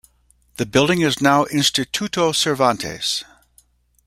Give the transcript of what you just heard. The building is now the Instituto Cervantes.